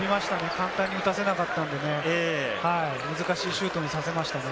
簡単に打たせなかったので、難しいシュートにさせましたね。